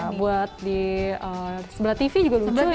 nah buat di sebelah tv juga lucu ya